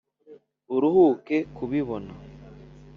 uruhuke kubibona